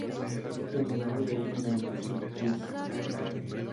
Uznal jej i německý tisk.